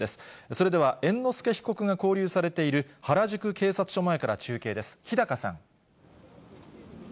それでは猿之助被告が勾留されている原宿警察署前から中継です。